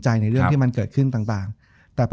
จบการโรงแรมจบการโรงแรม